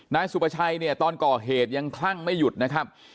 นายสุประชัยเนี่ยตอนก่อเหตุยังคลั่งไม่หยุดนะครับ